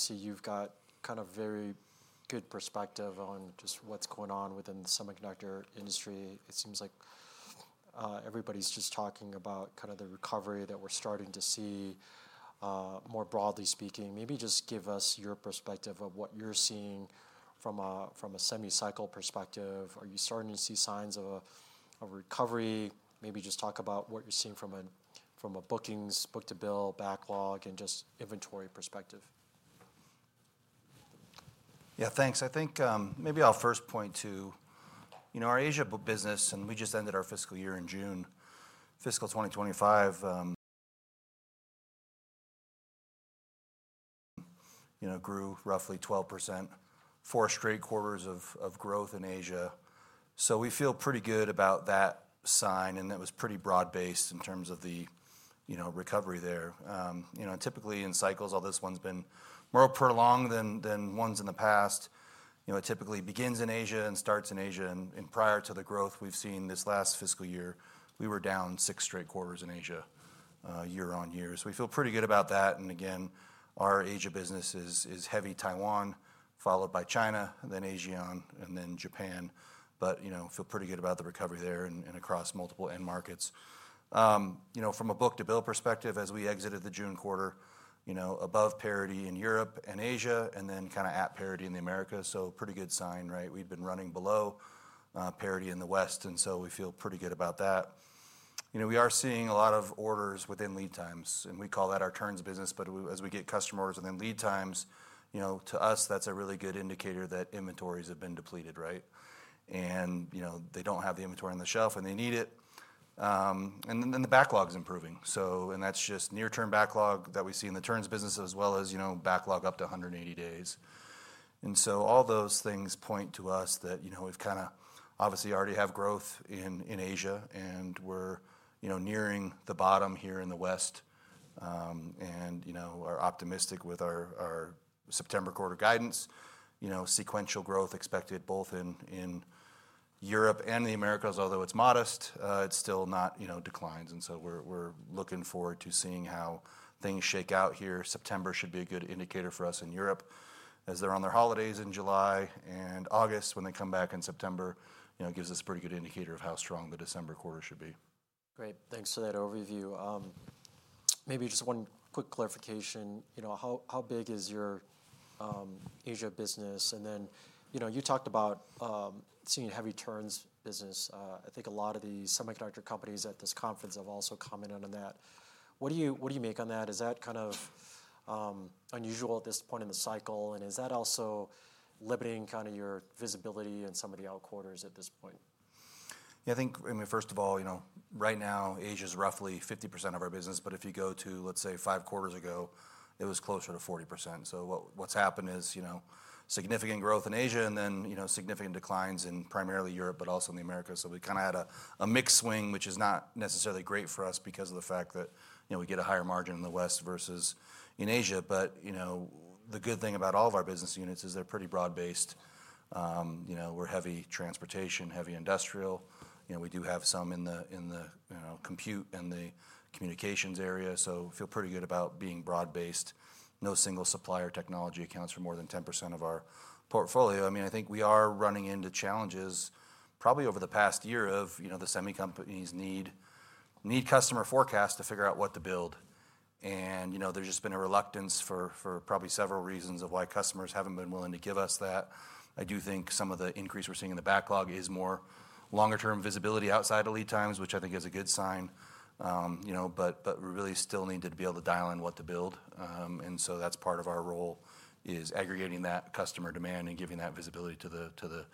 Obviously, you've got kind of a very good perspective on just what's going on within the semiconductor industry. It seems like everybody's just talking about kind of the recovery that we're starting to see, more broadly speaking. Maybe just give us your perspective of what you're seeing from a semi-cycle perspective. Are you starting to see signs of a recovery? Maybe just talk about what you're seeing from a bookings, book-to-bill, backlog, and just inventory perspective. Yeah, thanks. I think maybe I'll first point to our Asia business, and we just ended our fiscal year in June. Fiscal 2025 grew roughly 12%. Four straight quarters of growth in Asia. We feel pretty good about that sign, and that was pretty broad-based in terms of the recovery there. Typically in cycles, although this one's been more prolonged than ones in the past, it typically begins in Asia and starts in Asia, and prior to the growth we've seen this last fiscal year, we were down six straight quarters in Asia, year on year. We feel pretty good about that. Again, our Asia business is heavy Taiwan, followed by China, then Asia, and then Japan. I feel pretty good about the recovery there and across multiple end markets. From a book-to-bill perspective, as we exited the June quarter, above parity in Europe and Asia, and then kind of at parity in the Americas. Pretty good sign, right? We've been running below parity in the West, and we feel pretty good about that. We are seeing a lot of orders within lead times, and we call that our turns business. As we get customers within lead times, to us, that's a really good indicator that inventories have been depleted, right? They don't have the inventory on the shelf, and they need it. The backlog is improving. That's just near-term backlog that we see in the turns business, as well as backlog up to 180 days. All those things point to us that we've kind of obviously already had growth in Asia, and we're nearing the bottom here in the West. We're optimistic with our September quarter guidance, you know, sequential growth expected both in Europe and the Americas, although it's modest, it's still not declines. We're looking forward to seeing how things shake out here. September should be a good indicator for us in Europe, as they're on their holidays in July and August, when they come back in September. It gives us a pretty good indicator of how strong the December quarter should be. Great, thanks for that overview. Maybe just one quick clarification. You know, how big is your Asia business? You talked about seeing a heavy turns business. I think a lot of the semiconductor companies at this conference have also commented on that. What do you make on that? Is that kind of unusual at this point in the cycle? Is that also limiting kind of your visibility in some of the out quarters at this point? Yeah, I think, I mean, first of all, right now Asia is roughly 50% of our business, but if you go to, let's say, five quarters ago, it was closer to 40%. What's happened is significant growth in Asia, and then significant declines in primarily Europe, but also in the Americas. We kind of had a mixed swing, which is not necessarily great for us because of the fact that we get a higher margin in the West versus in Asia. The good thing about all of our business units is they're pretty broad-based. We're heavy transportation, heavy industrial. We do have some in the compute and the communications area. I feel pretty good about being broad-based. No single supplier technology accounts for more than 10% of our portfolio. I think we are running into challenges probably over the past year of the semi-companies need customer forecasts to figure out what to build. There's just been a reluctance for probably several reasons of why customers haven't been willing to give us that. I do think some of the increase we're seeing in the backlog is more longer-term visibility outside of lead times, which I think is a good sign. We really still need to be able to dial in what to build. That's part of our role, aggregating that customer demand and giving that visibility to the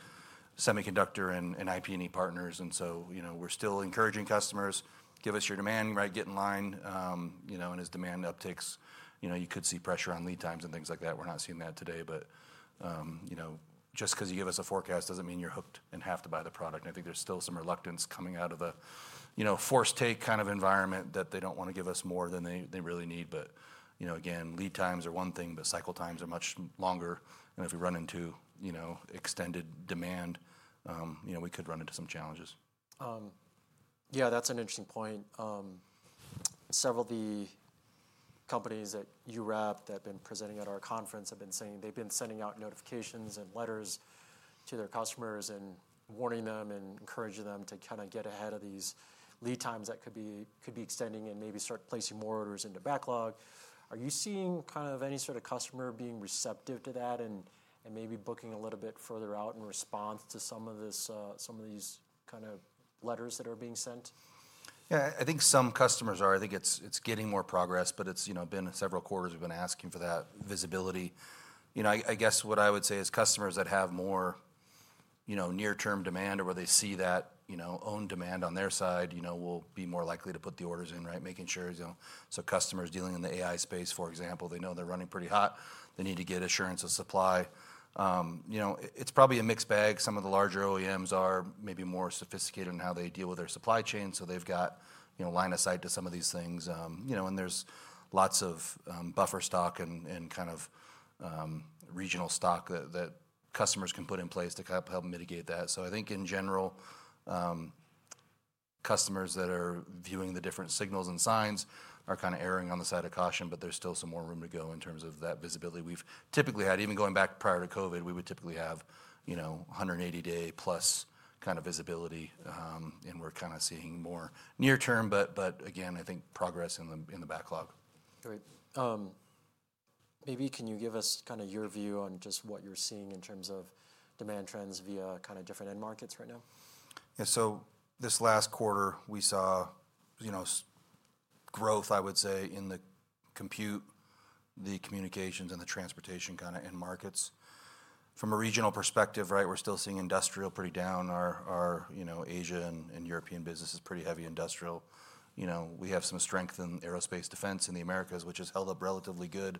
semiconductor and IP&E partners. We're still encouraging customers, give us your demand, right? Get in line. As demand uptakes, you could see pressure on lead times and things like that. We're not seeing that today, but just because you give us a forecast doesn't mean you're hooked and have to buy the product. I think there's still some reluctance coming out of the forced take kind of environment that they don't want to give us more than they really need. Again, lead times are one thing, but cycle times are much longer. If we run into extended demand, we could run into some challenges. Yeah, that's an interesting point. Several of the companies that you represent that have been presenting at our conference have been saying they've been sending out notifications and letters to their customers, warning them and encouraging them to kind of get ahead of these lead times that could be extending and maybe start placing more orders into backlog. Are you seeing any sort of customer being receptive to that and maybe booking a little bit further out in response to some of these letters that are being sent? Yeah, I think some customers are. I think it's getting more progress, but it's been several quarters we've been asking for that visibility. I guess what I would say is customers that have more near-term demand or where they see that own demand on their side will be more likely to put the orders in, right? Making sure, you know, so customers dealing in the AI space, for example, they know they're running pretty hot. They need to get assurance of supply. It's probably a mixed bag. Some of the larger OEMs are maybe more sophisticated in how they deal with their supply chain. They've got line of sight to some of these things, and there's lots of buffer stock and kind of regional stock that customers can put in place to help mitigate that. I think in general, customers that are viewing the different signals and signs are kind of erring on the side of caution, but there's still some more room to go in terms of that visibility. We've typically had, even going back prior to COVID, we would typically have 180-day plus kind of visibility. We're kind of seeing more near-term, but again, I think progress in the backlog. Great. Maybe can you give us kind of your view on just what you're seeing in terms of demand trends via kind of different end markets right now? Yeah, so this last quarter we saw growth, I would say, in the compute, the communications, and the transportation kind of end markets. From a regional perspective, we're still seeing industrial pretty down. Our Asia and European business is pretty heavy industrial. We have some strength in aerospace defense in the Americas, which has held up relatively good.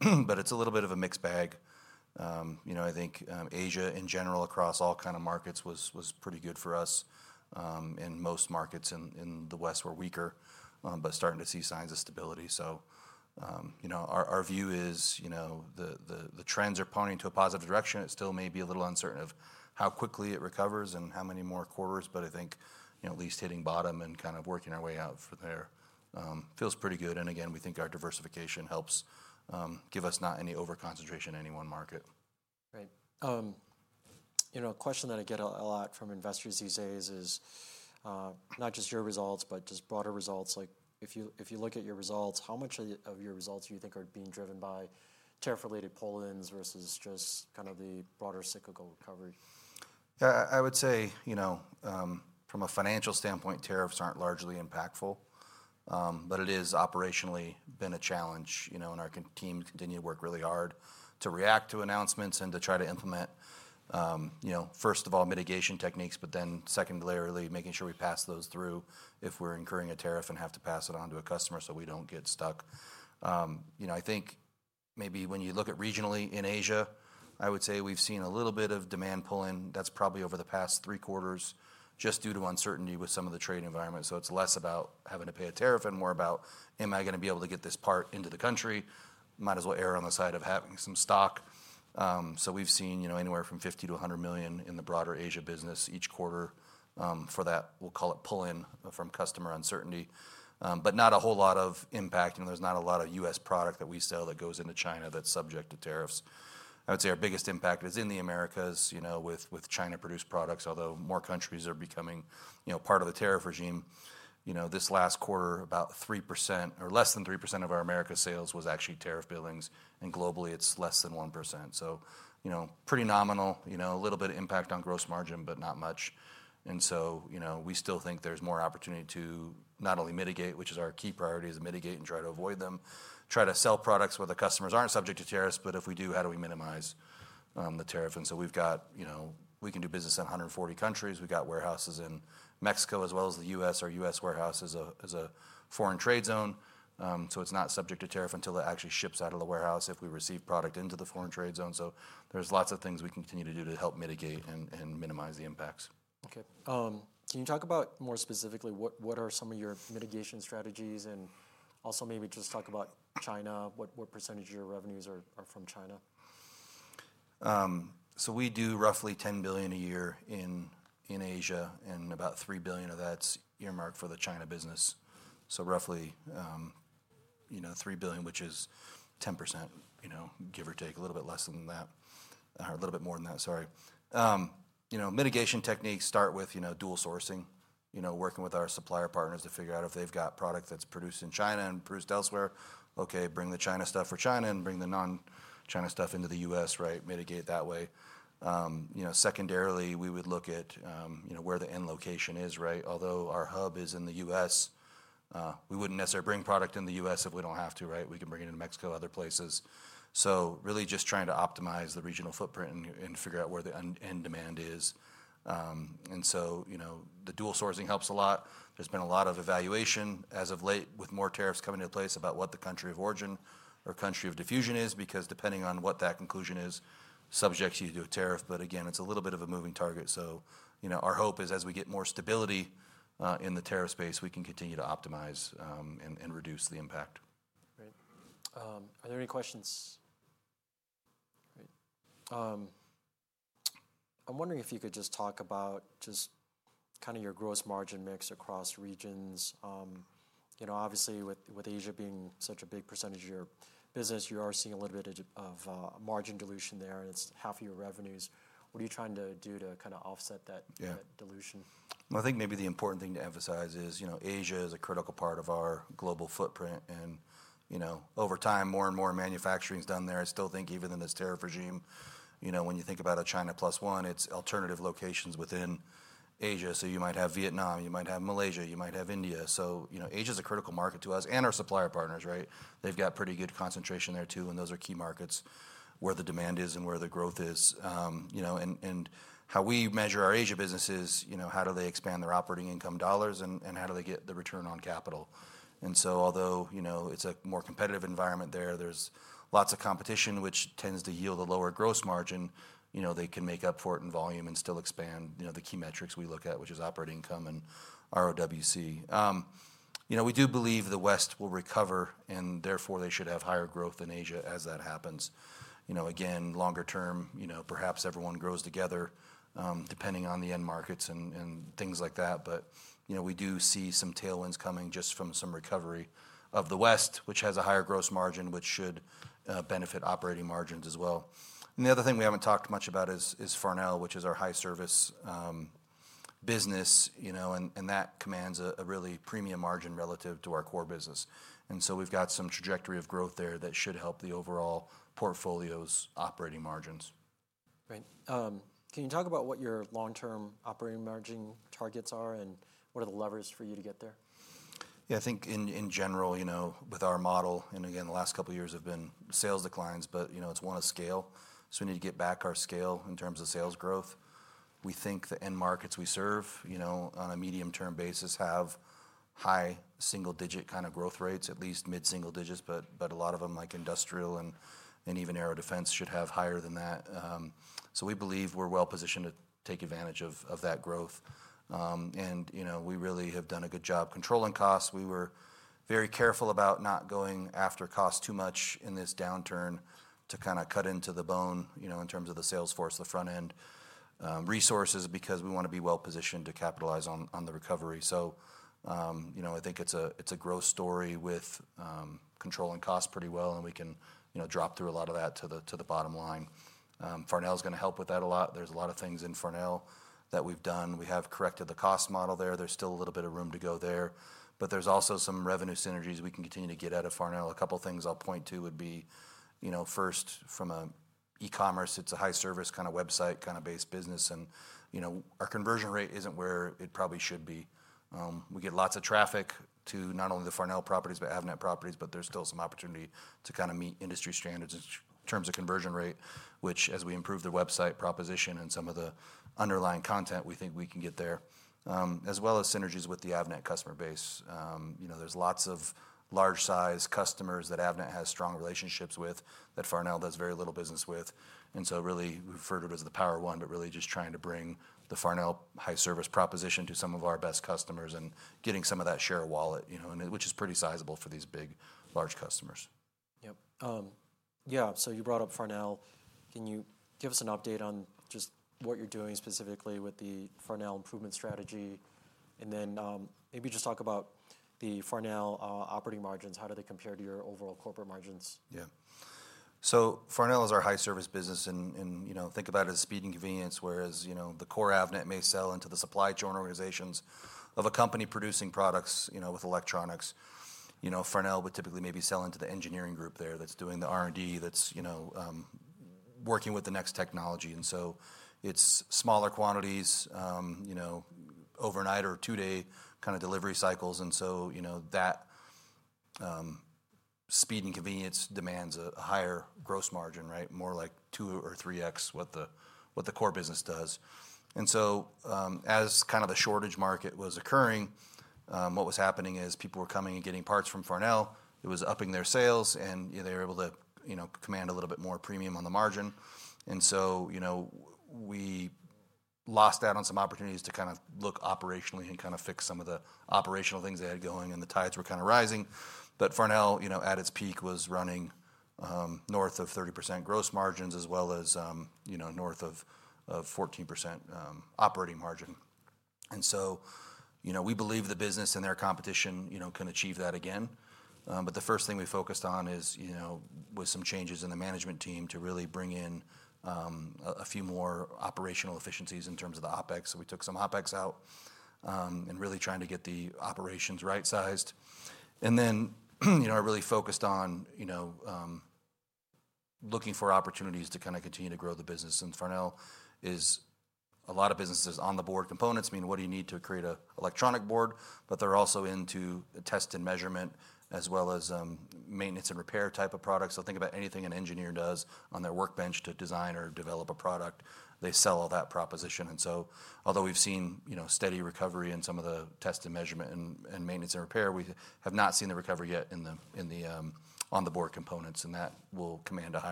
It's a little bit of a mixed bag. I think Asia in general across all kinds of markets was pretty good for us, and most markets in the West were weaker, but starting to see signs of stability. Our view is the trends are pointing to a positive direction. It still may be a little uncertain of how quickly it recovers and how many more quarters, but I think at least hitting bottom and kind of working our way out from there. It feels pretty good. Again, we think our diversification helps give us not any over-concentration in any one market. Right. You know, a question that I get a lot from investors these days is not just your results, but just broader results. If you look at your results, how much of your results do you think are being driven by tariff-related pull-ins versus just kind of the broader cyclical recovery? I would say, you know, from a financial standpoint, tariffs aren't largely impactful, but it has operationally been a challenge. Our team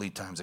continued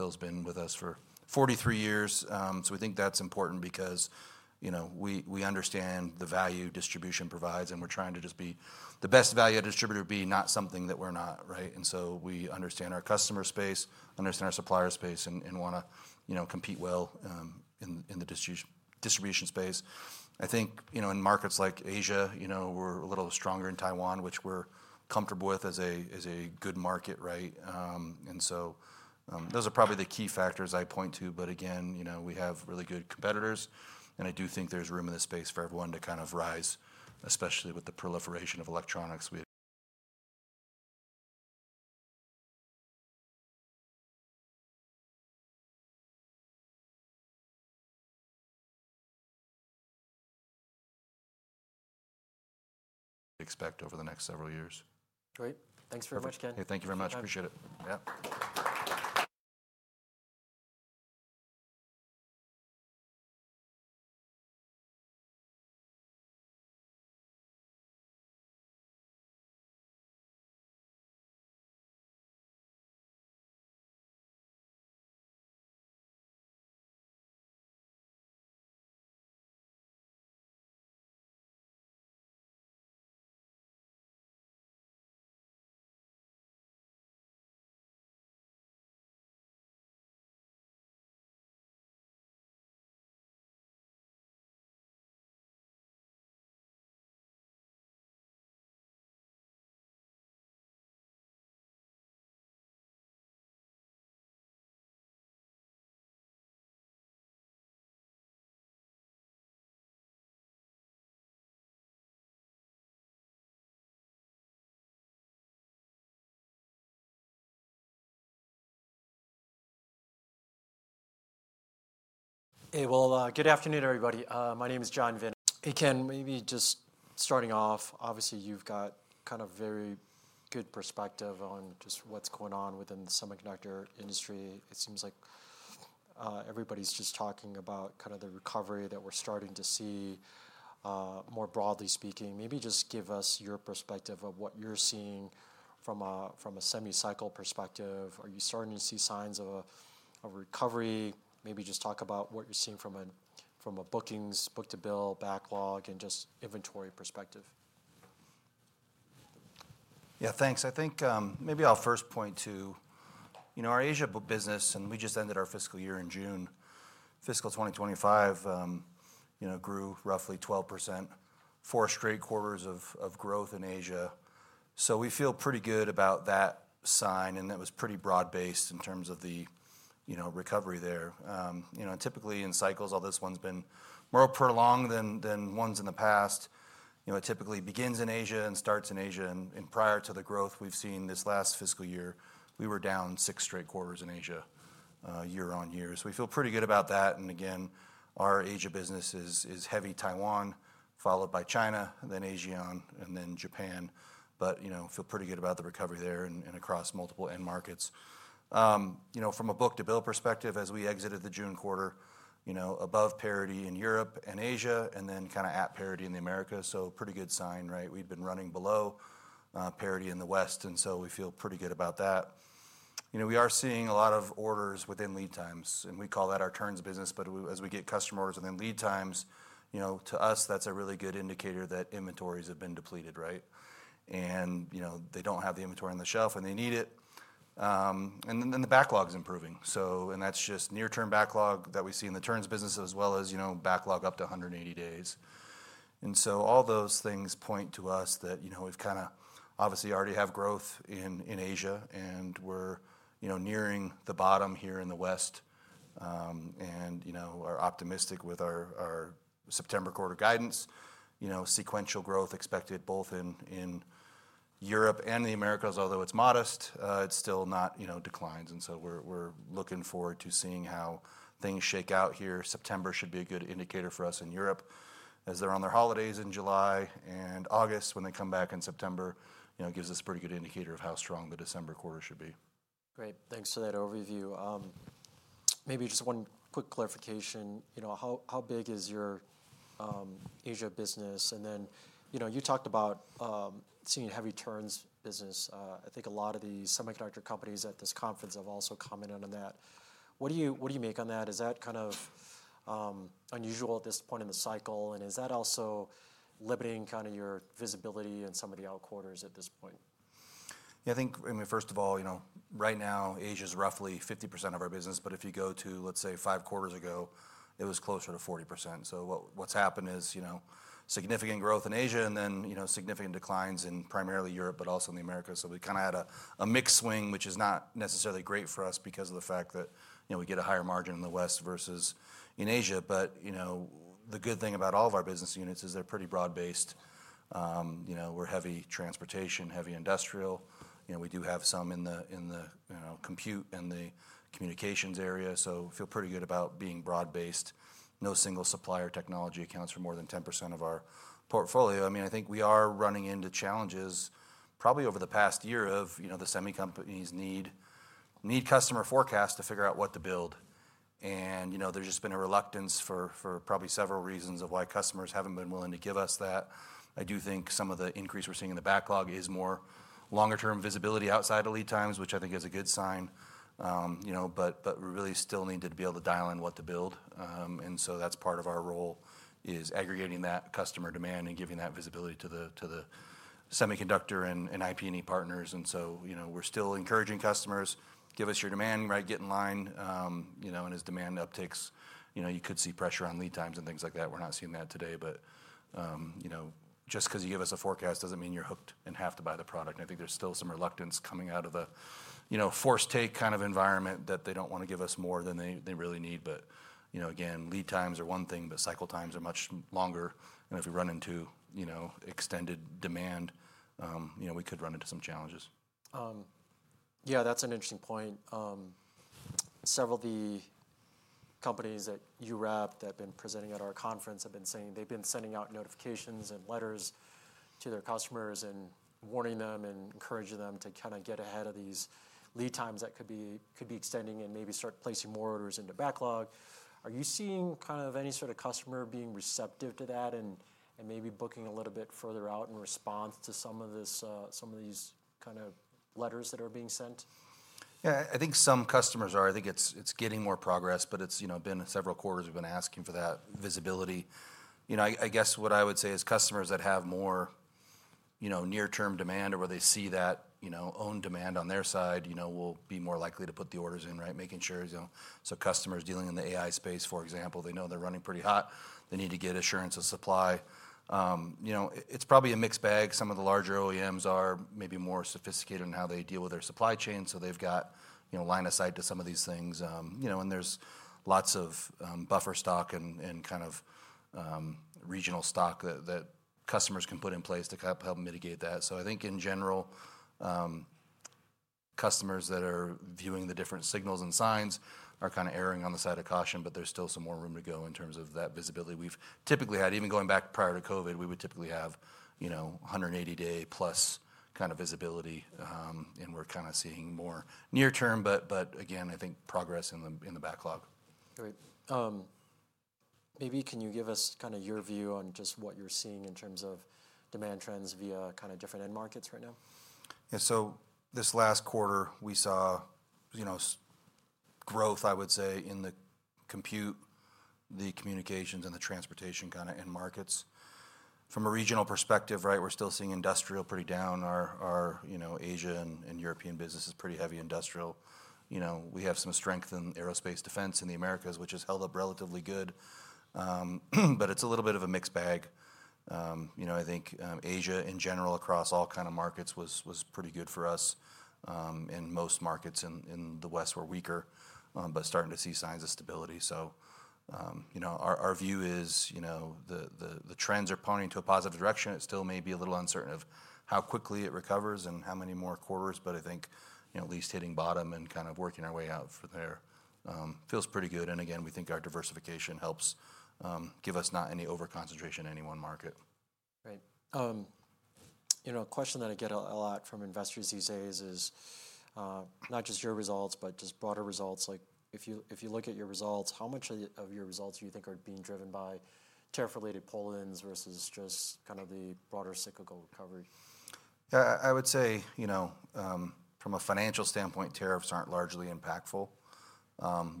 to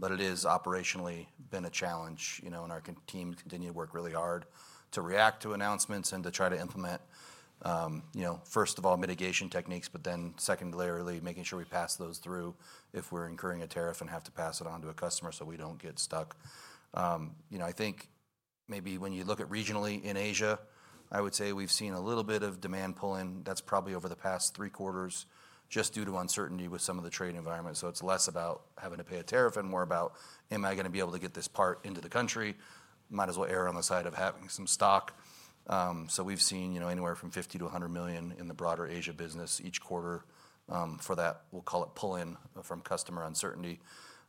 work really hard to react to announcements and to try to implement, first of all, mitigation techniques, but then secondarily making sure we pass those through if we're incurring a tariff and have to pass it on to a customer so we don't get stuck. I think maybe when you look at regionally in Asia, I would say we've seen a little bit of demand pull-in. That's probably over the past three quarters just due to uncertainty with some of the trade environment. It's less about having to pay a tariff and more about, am I going to be able to get this part into the country? Might as well err on the side of having some stock. We've seen anywhere from $50 million to $100 million in the broader Asia business each quarter for that, we'll call it pull-in from customer uncertainty.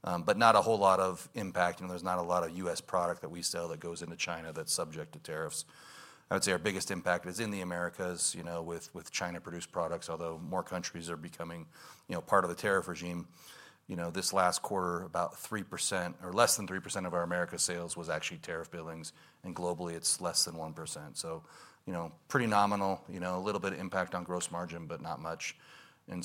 Not a whole lot of impact. There's not a lot of U.S. product that we sell that goes into China that's subject to tariffs. I would say our biggest impact is in the Americas with China-produced products, although more countries are becoming part of the tariff regime. This last quarter, about 3% or less than 3% of our Americas sales was actually tariff billings, and globally it's less than 1%. Pretty nominal, a little bit of impact on gross margin, but not much. We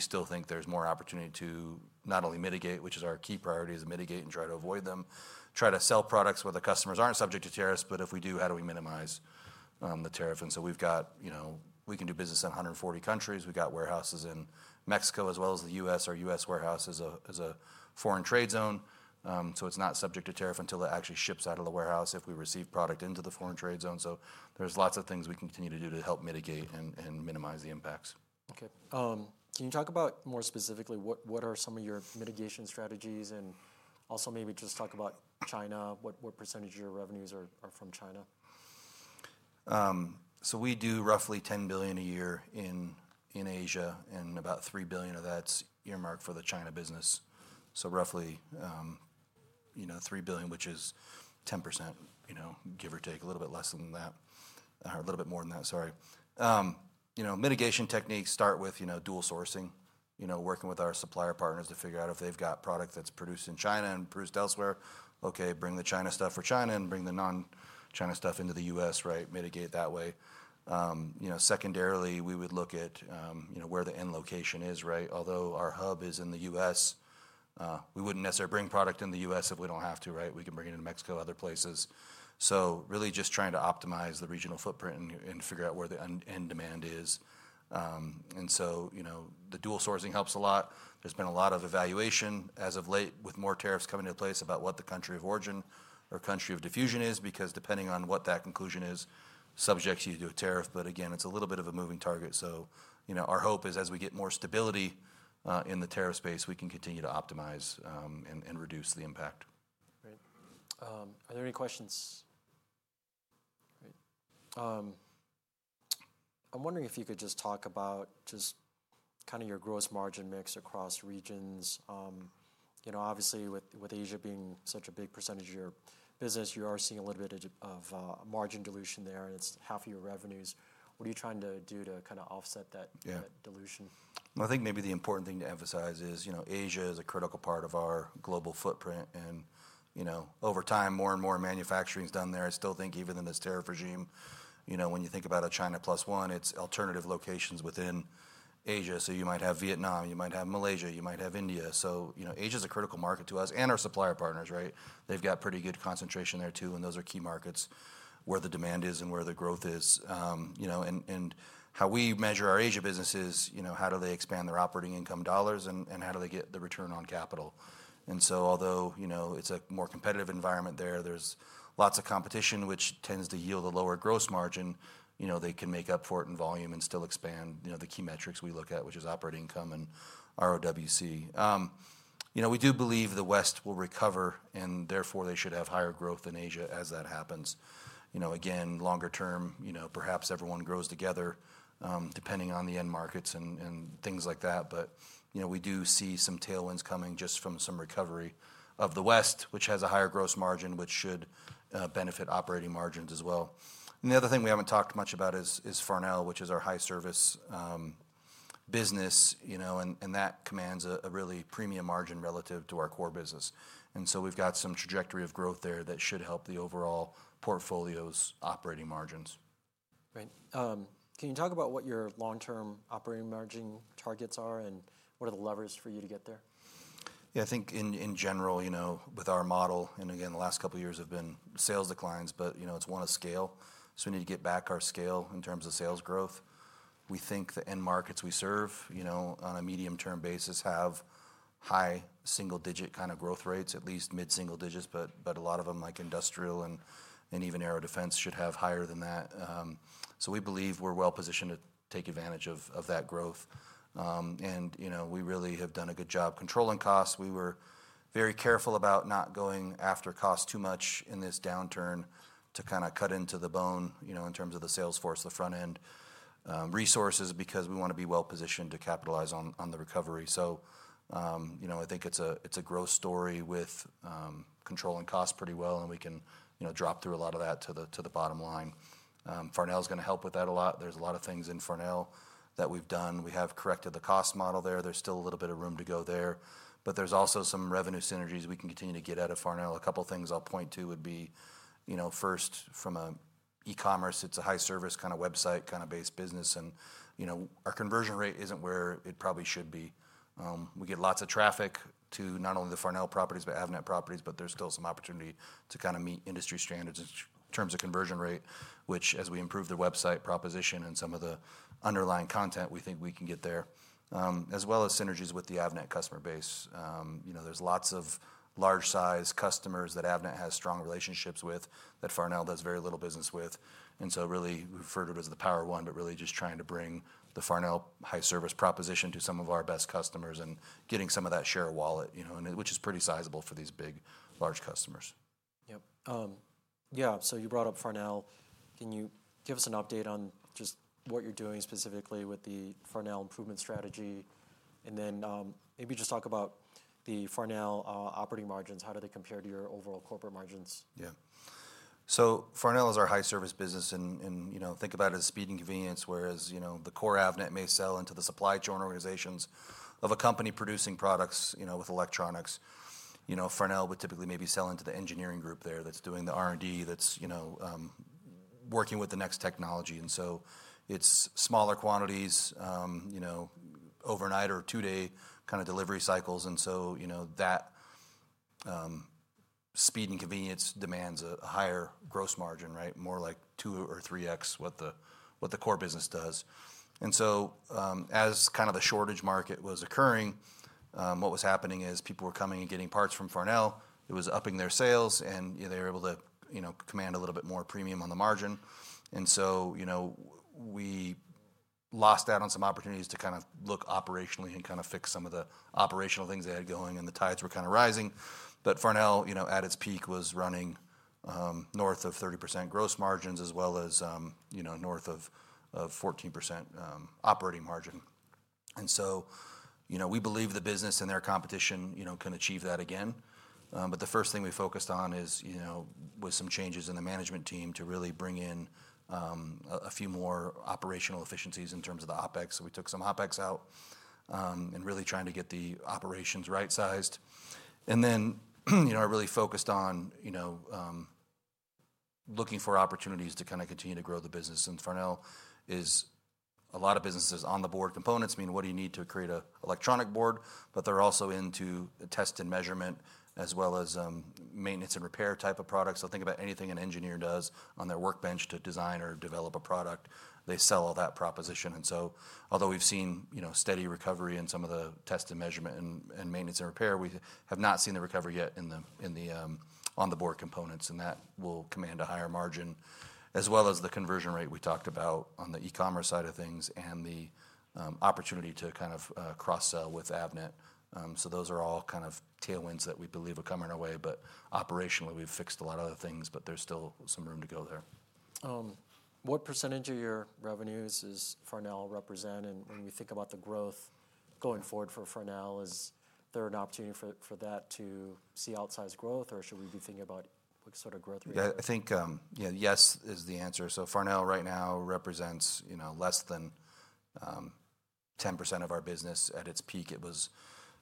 still think there's more opportunity to not only mitigate, which is our key priority, to mitigate and try to avoid them, try to sell products where the customers aren't subject to tariffs, but if we do, how do we minimize the tariff? We've got, you know, we can do business in 140 countries. We've got warehouses in Mexico as well as the U.S. Our U.S. warehouse is a foreign trade zone. It's not subject to tariff until it actually ships out of the warehouse if we receive product into the foreign trade zone. There are lots of things we continue to do to help mitigate and minimize the impacts. Okay. Can you talk about more specifically what are some of your mitigation strategies, and also maybe just talk about China, what % of your revenues are from China? We do roughly $10 billion a year in Asia, and about $3 billion of that's earmarked for the China business. Roughly $3 billion, which is 10%, give or take a little bit less than that, or a little bit more than that, sorry. Mitigation techniques start with dual sourcing, working with our supplier partners to figure out if they've got product that's produced in China and produced elsewhere. Bring the China stuff for China and bring the non-China stuff into the U.S., right? Mitigate that way. Secondarily, we would look at where the end location is, right? Although our hub is in the U.S., we wouldn't necessarily bring product in the U.S. if we don't have to. We can bring it in Mexico, other places. Really just trying to optimize the regional footprint and figure out where the end demand is, and so, you know, the dual sourcing helps a lot. There's been a lot of evaluation as of late with more tariffs coming into place about what the country of origin or country of diffusion is because depending on what that conclusion is, subjects you to a tariff. Again, it's a little bit of a moving target. Our hope is as we get more stability in the tariff space, we can continue to optimize and reduce the impact. Great. Are there any questions? Great. I'm wondering if you could just talk about your gross margin mix across regions. You know, obviously with Asia being such a big percentage of your business, you are seeing a little bit of margin dilution there and it's half of your revenues. What are you trying to do to offset that dilution? I think maybe the important thing to emphasize is, you know, Asia is a critical part of our global footprint and, you know, over time, more and more manufacturing is done there. I still think even in this tariff regime, you know, when you think about a China plus one, it's alternative locations within Asia. You might have Vietnam, you might have Malaysia, you might have India so, Asia is a critical market to us and our supplier partners, right? They've got pretty good concentration there too, and those are key markets where the demand is and where the growth is. How we measure our Asia business is, you know, how do they expand their operating income dollars and how do they get the return on capital? Although, you know, it's a more competitive environment there, there's lots of competition, which tends to yield a lower gross margin, you know, they can make up for it in volume and still expand, you know, the key metrics we look at, which is operating income and ROWC. We do believe the West will recover, and therefore they should have higher growth in Asia as that happens. You know again, longer term, you know, perhaps everyone grows together, depending on the end markets and things like that. We do see some tailwinds coming just from some recovery of the West, which has a higher gross margin, which should benefit operating margins as well. The other thing we haven't talked much about is Farnell, which is our high service business, and that commands a really premium margin relative to our core business. We've got some trajectory of growth there that should help the overall portfolio's operating margins. Right. Can you talk about what your long-term operating margin targets are, and what are the levers for you to get there? Yeah, I think in general, you know, with our model, the last couple of years have been sales declines, but you know, it's one of scale. We need to get back our scale in terms of sales growth. We think the end markets we serve, on a medium-term basis, have high single-digit kind of growth rates, at least mid-single digits, but a lot of them, like industrial and even aero-defense, should have higher than that. We believe we're well-positioned to take advantage of that growth. We really have done a good job controlling costs. We were very careful about not going after costs too much in this downturn to cut into the bone, you know, in terms of the sales force, the front-end resources, because we want to be well-positioned to capitalize on the recovery. I think it's a growth story with controlling costs pretty well, and we can drop through a lot of that to the bottom line. Farnell is going to help with that a lot. There's a lot of things in Farnell that we've done. We have corrected the cost model there. There's still a little bit of room to go there, but there's also some revenue synergies we can continue to get out of Farnell. A couple of things I'll point to would be, first, from an e-commerce, it's a high service kind of website-based business. Our conversion rate isn't where it probably should be. We get lots of traffic to not only the Farnell properties, but Avnet properties, but there's still some opportunity to meet industry standards in terms of conversion rate, which, as we improve the website proposition and some of the underlying content, we think we can get there, as well as synergies with the Avnet customer base. There's lots of large-sized customers that Avnet has strong relationships with that Farnell does very little business with. We refer to it as the power one, but really just trying to bring the Farnell high service proposition to some of our best customers and getting some of that share wallet, which is pretty sizable for these big, large customers. Yeah, you brought up Farnell. Can you give us an update on just what you're doing specifically with the Farnell improvement strategy? Maybe just talk about the Farnell operating margins. How do they compare to your overall corporate margins? Yeah. Farnell is our high service business and, you know, think about it as speed and convenience, whereas the core Avnet may sell into the supply chain organizations of a company producing products with electronics. Farnell would typically maybe sell into the engineering group there that's doing the R&D, that's working with the next technology. It's smaller quantities, overnight or two-day kind of delivery cycles. That speed and convenience demands a higher gross margin, right? More like 2 or 3x what the core business does. As kind of the shortage market was occurring, what was happening is people were coming and getting parts from Farnell. It was upping their sales and they were able to command a little bit more premium on the margin. We lost out on some opportunities to look operationally and fix some of the operational things they had going and the tides were kind of rising. Farnell, at its peak, was running north of 30% gross margins as well as north of 14% operating margin and so, we believe the business and their competition can achieve that again. The first thing we focused on is, with some changes in the management team to really bring in a few more operational efficiencies in terms of the Opex. We took some Opex out and really tried to get the operations right-sized. I really focused on looking for opportunities to continue to grow the business. Farnell is a lot of businesses on the board components, meaning what do you need to create an electronic board, but they're also into test and measurement as well as maintenance and repair type of products. Think about anything an engineer does on their workbench to design or develop a product. They sell all that proposition. Although we've seen steady recovery in some of the test and measurement and maintenance and repair, we have not seen the recovery yet in the on-the-board components. That will command a higher margin as well as the conversion rate we talked about on the e-commerce side of things and the opportunity to cross-sell with Avnet.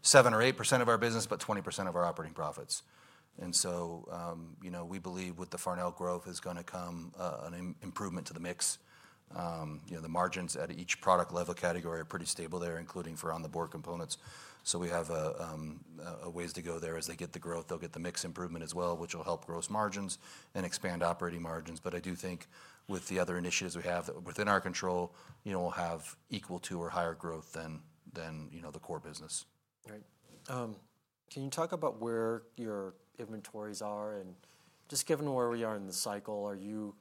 7% or 8% of our business, but 20% of our operating profits. We believe with the Farnell growth is going to come an improvement to the mix. The margins at each product level category are pretty stable there, including for on-the-board components. We have a ways to go there. As they get the growth, they'll get the mix improvement as well, which will help gross margins and expand operating margins, but I do think with the other initiatives we have within our control, we'll have equal to or higher growth than the core business. Right. Can you talk about where your inventories are? Just given where we are in the cycle, are you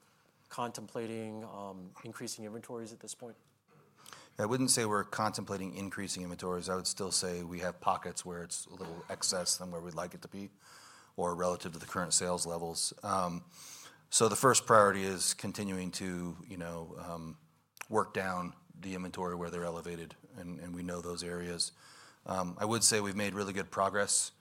contemplating increasing inventories at this point? I wouldn't say we're contemplating increasing inventories. I would still say we have pockets where it's a little excess than where we'd like it to be or relative to the current sales levels. The first priority is continuing to, you know, work down the inventory where they're elevated. We know those areas. I would say we've made really good progress,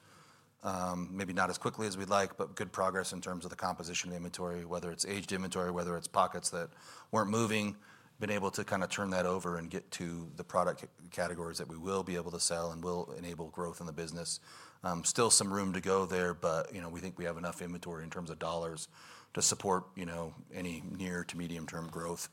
maybe not as quickly as we'd like, but good progress in terms of the composition of the inventory, whether it's aged inventory or pockets that weren't moving, been able to kind of turn that over and get to the product categories that we will be able to sell and will enable growth in the business. There is still some room to go there. We think we have enough inventory in terms of dollars to support, you know, any near to medium-term growth.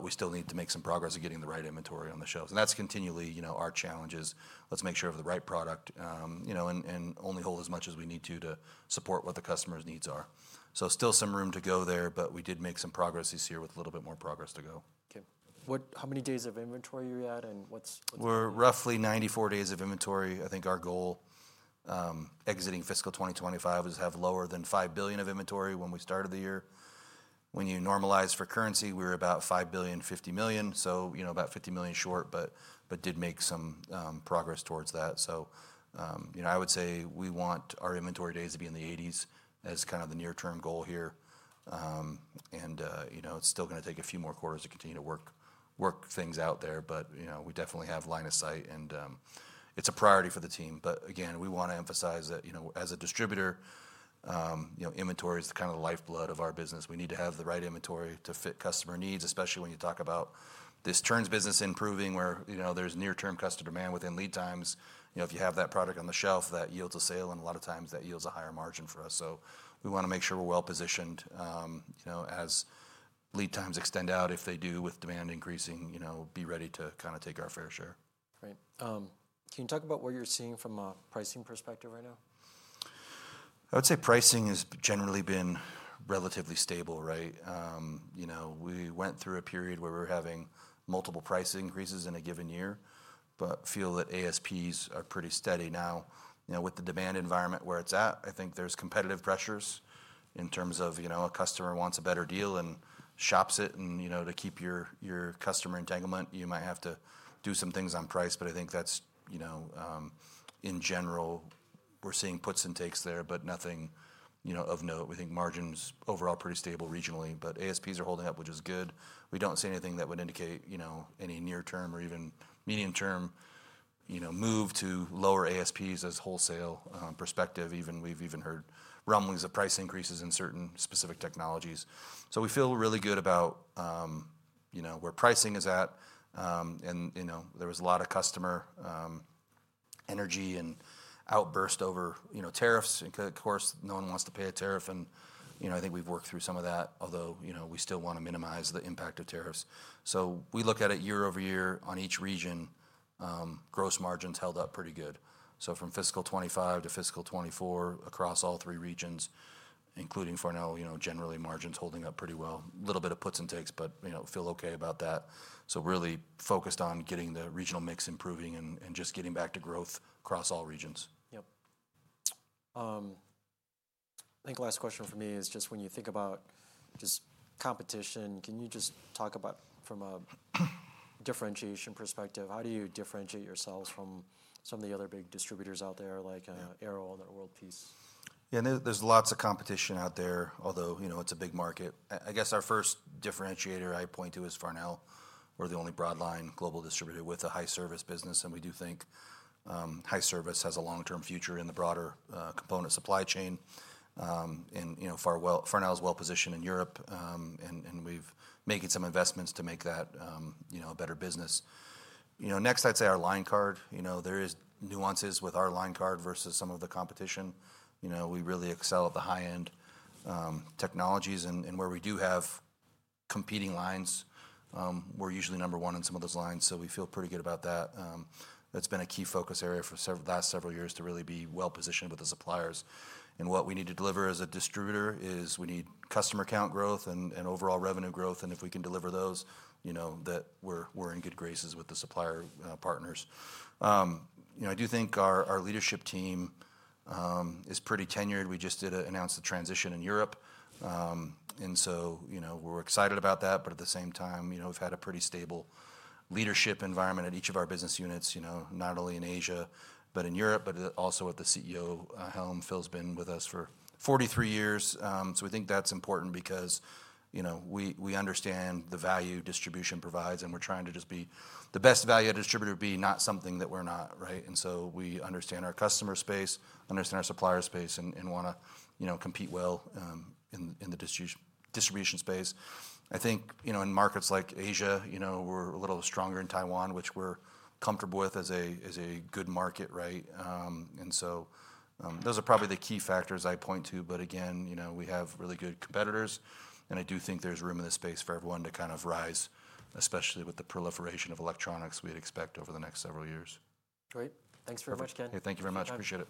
We still need to make some progress in getting the right inventory on the shelves. That's continually our challenge, to make sure of the right product and only hold as much as we need to support what the customer's needs are. There is still some room to go there, but we did make some progress this year with a little bit more progress to go. Okay, how many days of inventory are you at? We're roughly 94 days of inventory. I think our goal exiting fiscal 2025 is to have lower than $5 billion of inventory when we started the year. When you normalize for currency, we were about $5 billion, $50 million. So, you know, about $50 million short, but did make some progress towards that. I would say we want our inventory days to be in the 80s as kind of the near-term goal here. It's still going to take a few more quarters to continue to work things out there. We definitely have line of sight and it's a priority for the team. Again, we want to emphasize that, as a distributor, inventory is kind of the lifeblood of our business. We need to have the right inventory to fit customer needs, especially when you talk about this turns business improving where there's near-term customer demand within lead times. If you have that product on the shelf, that yields a sale, and a lot of times that yields a higher margin for us. We want to make sure we're well positioned. As lead times extend out, if they do with demand increasing, be ready to kind of take our fair share. Right. Can you talk about what you're seeing from a pricing perspective right now? I would say pricing has generally been relatively stable, right? You know, we went through a period where we were having multiple price increases in a given year, but feel that ASPs are pretty steady now. With the demand environment where it's at, I think there's competitive pressures in terms of a customer wants a better deal and shops it. To keep your customer entanglement, you might have to do some things on price. In general, we're seeing puts and takes there, but nothing of note. We think margins overall are pretty stable regionally, but ASPs are holding up, which is good. We don't see anything that would indicate any near-term or even medium-term move to lower ASPs as a wholesale perspective. We've even heard rumblings of price increases in certain specific technologies. We feel really good about, you know, where pricing is at, there was a lot of customer energy and outbursts over tariffs. Of course, no one wants to pay a tariff. I think we've worked through some of that, although we still want to minimize the impact of tariffs. We look at it year over year on each region. Gross margins held up pretty good. From fiscal 2025 to fiscal 2024 across all three regions, including Farnell, generally margins holding up pretty well. A little bit of puts and takes, but feel okay about that. Really focused on getting the regional mix improving and just getting back to growth across all regions. Yep. I think the last question for me is just when you think about just competition, can you just talk about from a differentiation perspective? How do you differentiate yourselves from some of the other big distributors out there, like Arrow and WPG? Yeah, and there's lots of competition out there, although you know, it's a big market. I guess our first differentiator I'd point to is Farnell. We're the only broadline global distributor with a high service business. We do think high service has a long-term future in the broader component supply chain. Farnell is well positioned in Europe, and we've made some investments to make that a better business. Next, I'd say our line card. There are nuances with our line card versus some of the competition. We really excel at the high-end technologies, and where we do have competing lines, we're usually number one in some of those lines. We feel pretty good about that. That's been a key focus area for the last several years to really be well positioned with the suppliers. What we need to deliver as a distributor is customer count growth and overall revenue growth. If we can deliver those, you know, we're in good graces with the supplier partners. I do think our leadership team is pretty tenured. We just did announce the transition in Europe, and we're excited about that. At the same time, we've had a pretty stable leadership environment at each of our business units, not only in Asia, but in Europe, but also with the CEO. Helm Phil's been with us for 43 years. We think that's important because, you know, we understand the value distribution provides. We're trying to just be the best value a distributor would be, not something that we're not, right? We understand our customer space, understand our supplier space, and want to compete well in the distribution space. I think in markets like Asia, you know, we're a little stronger in Taiwan, which we're comfortable with as a good market, right? Those are probably the key factors I'd point to. Again, we have really good competitors, and I do think there's room in this space for everyone to kind of rise, especially with the proliferation of electronics we'd expect over the next several years. Great. Thanks very much, Ken. Thank you very much. Appreciate it.